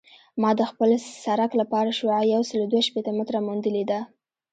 ما د خپل سرک لپاره شعاع یوسل دوه شپیته متره موندلې ده